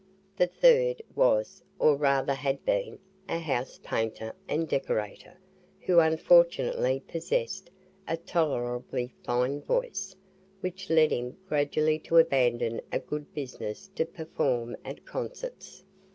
The third was, or rather had been, a house painter and decorator, who unfortunately possessed a tolerably fine voice, which led him gradually to abandon a good business to perform at concerts.